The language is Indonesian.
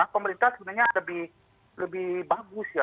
pemerintah sebenarnya lebih bagus ya